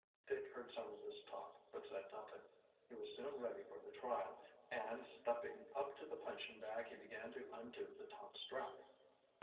Dick heard some of this talk but said nothing. He was soon ready for the trial, and stepping up to the punching bag he began to undo the top strap.